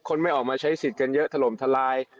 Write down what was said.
ไม่ออกมาใช้สิทธิ์กันเยอะถล่มทลาย